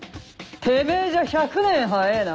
てめぇじゃ１００年早えぇな。